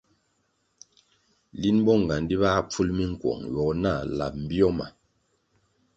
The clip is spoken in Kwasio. Lin bonğandi báh pful minkuong ywogo nah lab bio ma.